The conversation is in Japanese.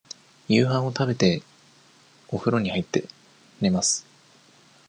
夕飯を食べて、おふろに入って、寝ます。